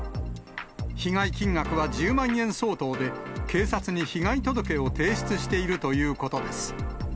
被害金額は１０万円相当で、警察に被害届を提出しているということです。